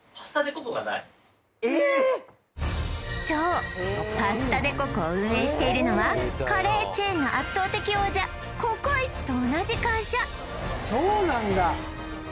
そうパスタ・デ・ココを運営しているのはカレーチェーンの圧倒的王者ココイチと同じ会社そうなんだ